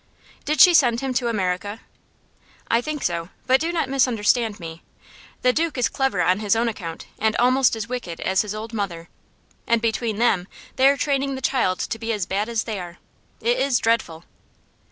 "Did she send him to America?" "I think so. But do not misunderstand me. The Duke is clever on his own account, and almost as wicked as his old mother. And between them they are training the child to be as bad as they are. It is dreadful."